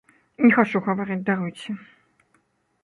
Не хачу гаварыць, даруйце.